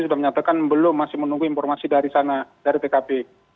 sudah menyatakan belum masih menunggu informasi dari sana dari tkp